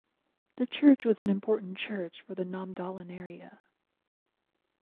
The church was an important church for the Namdalen area.